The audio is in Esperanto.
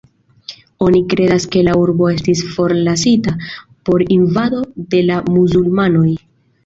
Oni kredas ke la urbo estis forlasita por invado de la muzulmanoj.